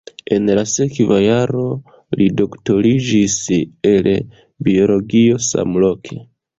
En la sekva jaro li doktoriĝis el biologio samloke.